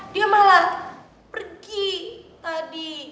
dia malah pergi tadi